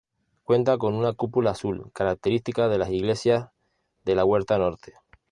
Cuenta con una cúpula azul, característica de las iglesias de la Huerta Norte.